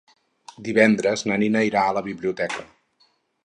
Divendres na Nina irà a la biblioteca.